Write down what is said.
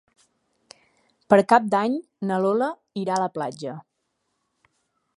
Per Cap d'Any na Lola irà a la platja.